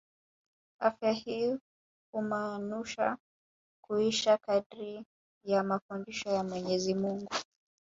Afya hii humaanusha kuishi kadiri ya mafundisho ya Mwenyezi Mungu